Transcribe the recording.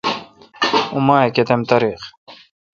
اوں ماہ ئ کتم تاریخ؟